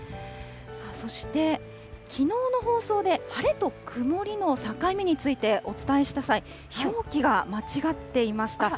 そして、きのうの放送で、晴れと曇りの境目についてお伝えした際、表記が間違っていました。